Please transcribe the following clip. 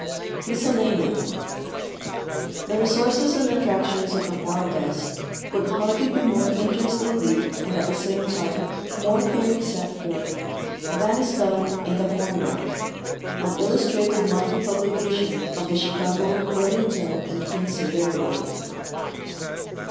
MISCELLANEA Tlie resources and attractions of the fur west could hardly be more in terestingly and at the same time more fairly set forth than is done in 21ie Corn Belt, an illustrated monthly publication of the Chicago, Burlington and (Quincy Railroad.